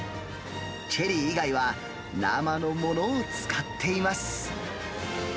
チェリー以外は生のものを使っています。